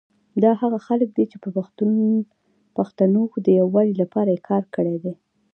دا هغه خلګ دي چي د پښتونو د یوالي لپاره یي کار کړي دی